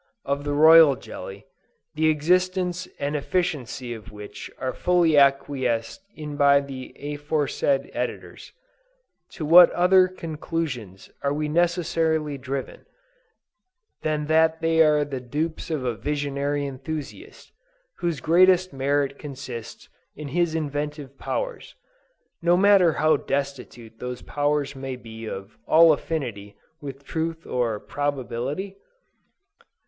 of the royal jelly, the existence and efficacy of which are fully acquiesced in by the aforesaid editors, to what other conclusions are we necessarily driven, than that they are the dupes of a visionary enthusiast, whose greatest merit consists in his inventive powers, no matter how destitute those powers may be of all affinity with truth or probability?